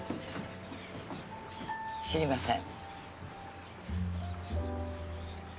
知りません。